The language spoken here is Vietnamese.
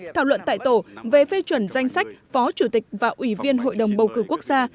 thảo luận tại tổ về phê chuẩn danh sách phó chủ tịch và ủy viên hội đồng bầu cử quốc gia